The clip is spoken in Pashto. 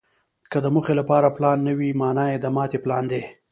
که د موخې لپاره پلان نه وي، مانا یې د ماتې پلان دی.